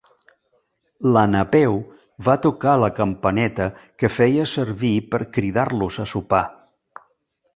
La Napeu va tocar la campaneta que feia servir per cridar-los a sopar.